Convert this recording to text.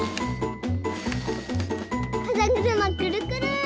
かざぐるまくるくる！